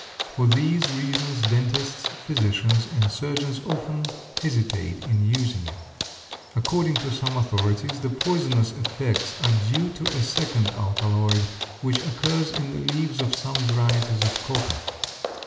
For these reasons dentists, physicians, and surgeons often hesitate in using it. According to some authorities the poisonous effects are due to a second alkaloid which occurs in the leaves of some varieties of coca.